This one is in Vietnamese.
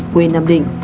quê nam định